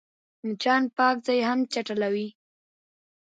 مچان پاک ځای هم چټلوي